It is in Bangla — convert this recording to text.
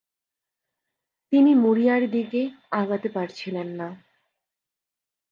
তিনি মুরিয়ার দিকে আগাতে পারছিলেন না।